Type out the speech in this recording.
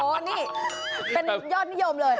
โอ้โหนี่เป็นยอดนิยมเลย